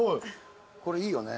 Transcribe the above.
これいいよね。